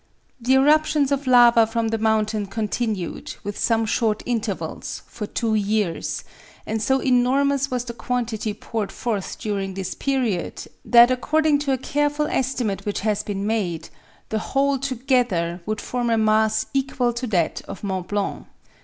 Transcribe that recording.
The eruptions of lava from the mountain continued, with some short intervals, for two years, and so enormous was the quantity poured forth during this period that, according to a careful estimate which has been made, the whole together would form a mass equal to that of Mont Blanc.